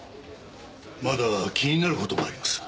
まだ気になる事があります。